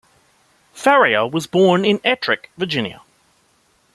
Farrior was born in Ettrick, Virginia.